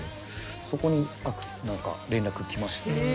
そこに連絡来ましたね。